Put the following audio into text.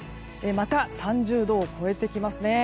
また３０度を超えてきますね。